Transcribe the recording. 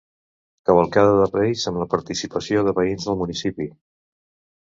Cavalcada de reis amb la participació de veïns del municipi.